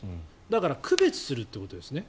だから区別するってことですね。